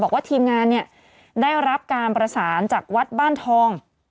ทีมงานเนี่ยได้รับการประสานจากวัดบ้านทอง